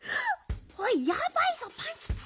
おいやばいぞパンキチ。